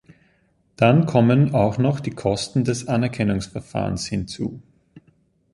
Dann kommen auch noch die Kosten des Anerkennungsverfahrens hinzu.